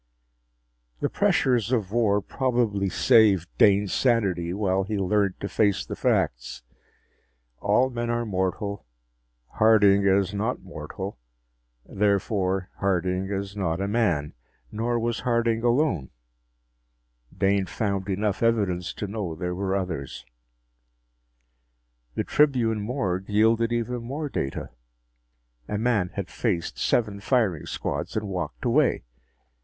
The pressures of war probably saved Dane's sanity while he learned to face the facts. All men are mortal; Harding is not mortal; therefore, Harding is not a man! Nor was Harding alone Dane found enough evidence to know there were others. The Tribune morgue yielded even more data. A man had faced seven firing squads and walked away.